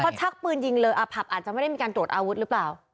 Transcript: เขาชักปืนยิงเลยผับอาจจะไม่ได้มีการตรวจอาวุธหรือเปล่า